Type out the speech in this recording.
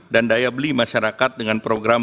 dan daya beli masyarakat dengan program